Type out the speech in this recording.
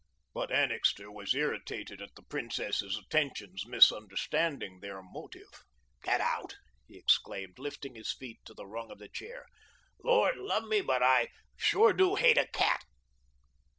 But Annixter was irritated at the Princess's attentions, misunderstanding their motive. "Get out!" he exclaimed, lifting his feet to the rung of the chair. "Lord love me, but I sure do hate a cat."